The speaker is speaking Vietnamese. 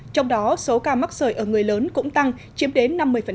trong đó số ca mắc sởi ở người lớn cũng tăng chiếm đến năm mươi